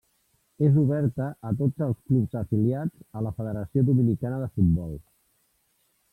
És oberta a tots els clubs afiliats a la Federació Dominicana de Futbol.